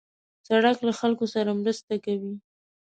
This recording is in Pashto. سړک له خلکو سره مرسته کوي.